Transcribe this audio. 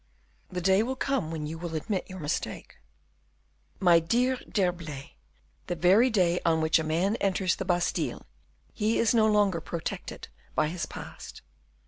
"The day will come when you will admit your mistake." "My dear D'Herblay, the very day on which a man enters the Bastile, he is no longer protected by his past."